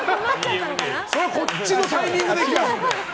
それはこっちのタイミングでいきますんで。